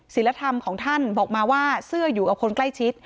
ศิลธรรมของท่านบอกมาว่าเสื้ออยู่กับคนใกล้ชิด